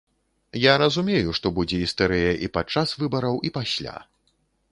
Я разумею, што будзе істэрыя і падчас выбараў, і пасля.